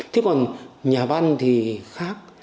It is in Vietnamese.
thế còn nhà văn thì khác